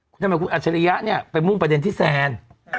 ทำไมคุณอัจฉริยะเนี่ยไปมุ่งประเด็นที่แซน